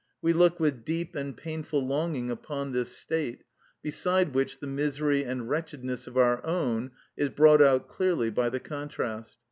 We look with deep and painful longing upon this state, beside which the misery and wretchedness of our own is brought out clearly by the contrast.